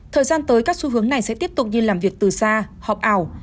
thời gian tới các xu hướng này sẽ tiếp tục như làm việc từ xa họp ảo